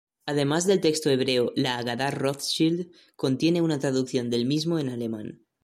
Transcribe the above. Además del texto hebreo, la "Hagadá Rothschild" contiene una traducción del mismo en alemán.